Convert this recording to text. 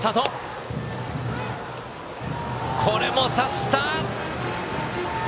これも刺した！